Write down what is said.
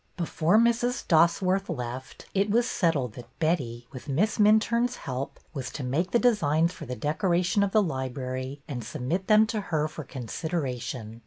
Before Mrs. Dosworth left, it was settled that Betty, with Miss Minturne's help, was to make the designs for the decoration of the library, and submit them to her for consideration.